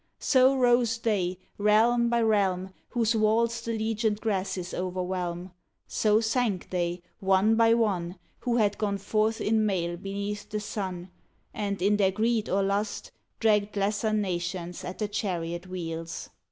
So rose they, realm by realm, Whose walls the legion ed grasses overwhelm. So sank they, one by one, Who had gone forth in mail beneath the sun, And, in their greed or lust, Dragged lesser nations at the chariot wheels.